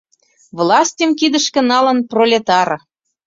Властьым кидышке налын пролетар.